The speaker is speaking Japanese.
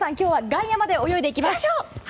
外野まで泳いでいきましょう。